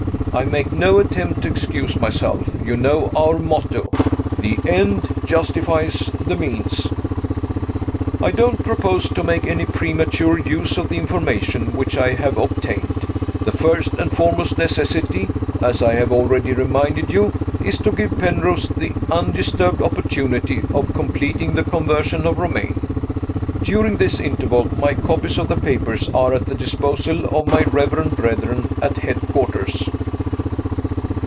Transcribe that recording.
I make no attempt to excuse myself. You know our motto: THE END JUSTIFIES THE MEANS. I don't propose to make any premature use of the information which I have obtained. The first and foremost necessity, as I have already reminded you, is to give Penrose the undisturbed opportunity of completing the conversion of Romayne. During this interval, my copies of the papers are at the disposal of my reverend brethren at headquarters.